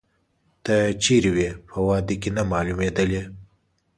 ته چیري وې، په واده کې نه مالومېدلې؟